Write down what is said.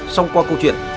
xong qua câu chuyện